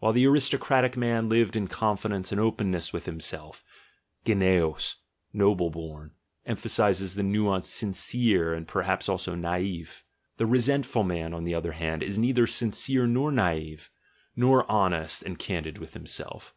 While the aristocratic man lived in confidence and openness with himself (yewaio?, "noble born," emphasises the nuance "sincere," and perhaps also "naif"), the resentful man, on the other hand, is neither sincere nor naif, nor 20 THE GENEALOGY OF MORALS honest and candid with himself.